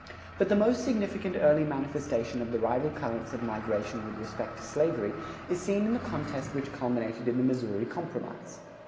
But the most significant early manifestation of the rival currents of migration with respect to slavery is seen in the contest which culminated in the Missouri Compromise.